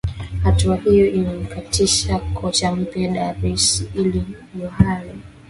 hatua hiyo imemsikitisha kocha mpya darsir ali johar